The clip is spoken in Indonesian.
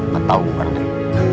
kau tau bukan tuh